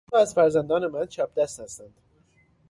دو تا از فرزندان من چپ دست هستند.